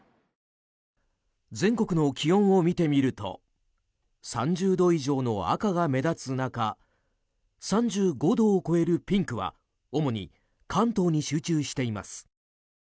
全国の気温を見てみると３０度以上の赤が目立つ中３５度を超えるピンクは主に関東に集中しています。